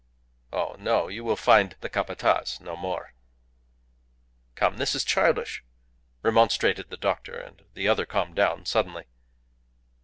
Oh, no! You will find the Capataz no more." "Come, this is childish!" remonstrated the doctor; and the other calmed down suddenly.